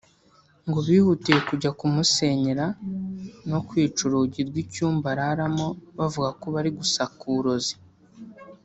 ngo bihutiye kujya kumusenyera no kwica urugi rw’icyumba araramo bavuga ko bari gusaka uburozi